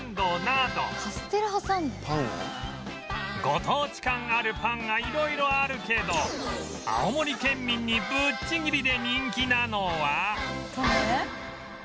ご当地感あるパンが色々あるけど青森県民にぶっちぎりで人気なのは